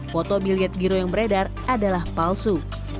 foto biliet giro yang beredar adalah palsu